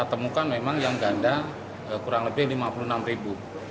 ketemu kan memang yang ganda kurang lebih lima puluh enam